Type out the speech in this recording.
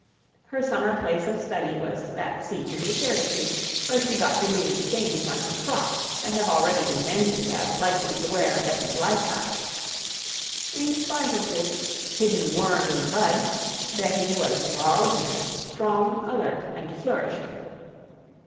Her summer place of study was that seat in the cherry tree, where she got the green stains on her frock, that have already been mentioned as likely to wear Betty's life out. In spite of this "hidden worm i' th' bud," Betty was to all appearance strong, alert, and flourishing.